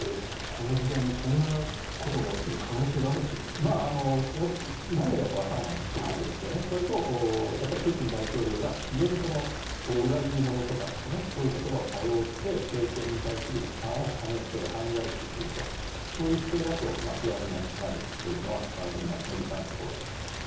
この時代にそんなことが起きる可能性が何をやるかわからないということとそれと、プーチン大統領が非常に裏切り者とかそういう言葉を多用して政権に対する批判をはねつける犯罪視するというそういう姿勢だと不安になるのは無理からぬところだと思います。